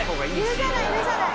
許さない許さない。